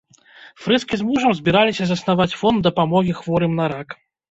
Фрыске з мужам збіраліся заснаваць фонд дапамогі хворым на рак.